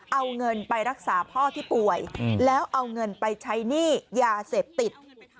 เอาเงินไปรักษาพ่อที่ป่วยแล้วเอาเงินไปใช้หนี้ยาเสพติด